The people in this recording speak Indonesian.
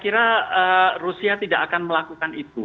saya kira rusia tidak akan melakukan itu